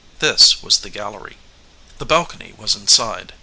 This was the gallery. The balcony was inside.